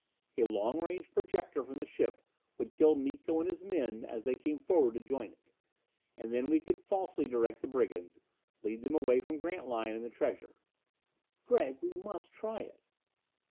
A long range projector from the ship would kill Miko and his men as they came forward to join it! And then we could falsely direct the brigands, lead them away from Grantline and the treasure. "Gregg, we must try it."